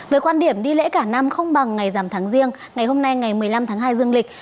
về quan điểm đi lễ cả năm không bằng ngày giảm tháng riêng ngày hôm nay ngày một mươi năm tháng hai dương lịch